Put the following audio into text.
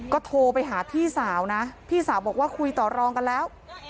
ก็โทรไปหาพี่สาวนะพี่สาวบอกว่าคุยต่อรองกันแล้ว